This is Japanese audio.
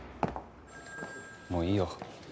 もういいよ。